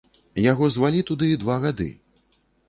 Яго звалі туды два гады.